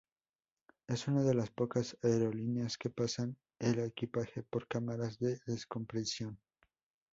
Es una de las pocas aerolíneas que pasan el equipaje por cámaras de descompresión.